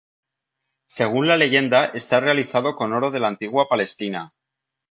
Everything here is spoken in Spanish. Según la leyenda está realizado con oro de la antigua Palestina.